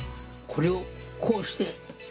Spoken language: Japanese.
「これをこうして！